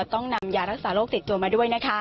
ต้องนำยารักษาโรคติดตัวมาด้วยนะคะ